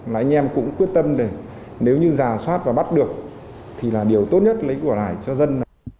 là anh em cũng quyết tâm để nếu như giả soát và bắt được thì là điều tốt nhất lấy của lại cho dân